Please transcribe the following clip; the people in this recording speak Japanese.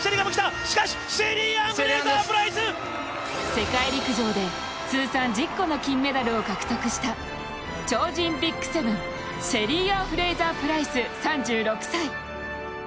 世界陸上で通算１０個の金メダルを獲得した超人ＢＩＧ７、シェリーアン・フレイザープライス、３６歳。